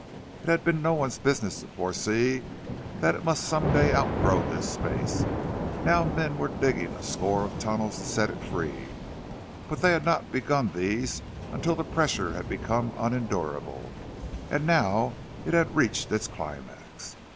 It had been no one's business to foresee that it must some day outgrow this space; now men were digging a score of tunnels to set it free, but they had not begun these until the pressure had become unendurable, and now it had reached its climax.